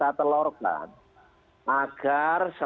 dan juga berbagai masyarakat